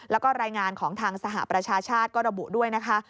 แล้วก็รายงานของทางสหประชาชาติก็ระบุด้วยนะคะ